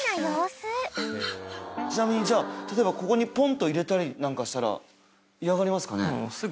ちなみに例えばここにポンと入れたりなんかしたら嫌がりますかね？